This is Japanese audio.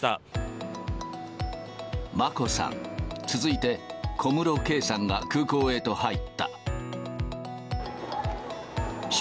眞子さん、続いて小室圭さんが空港へと入った。